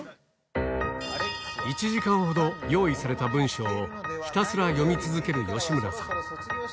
１時間ほど、用意された文章をひたすら読み続ける吉村さん。